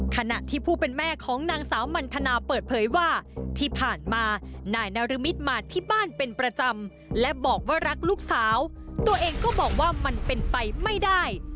ขณะที่ผู้เป็นแม่ของนางสาวมันทนาเปิดเผยว่าที่ผ่านมานายนรมิตมาที่บ้านเป็นประจำและบอกว่ารักลูกสาวตัวเองก็บอกว่ามันเป็นไปไม่ได้